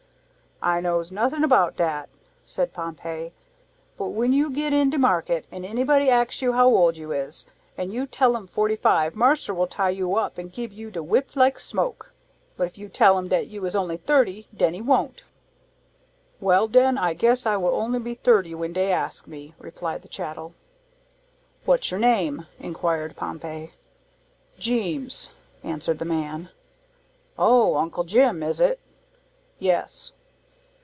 "I knows nothing about dat," said Pompey; "but when you get in de market, an anybody axe you how old you is, an you tell 'em forty five, marser will tie you up an gib you de whip like smoke. But if you tell 'em dat you is only thirty, den he wont." "Well den, I guess I will only be thirty when dey axe me," replied the chattel. "What your name?" inquired Pompey. "Geemes," answered the man. "Oh, Uncle Jim, is it?" "Yes."